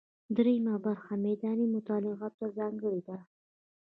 درېیمه برخه میداني مطالعاتو ته ځانګړې ده.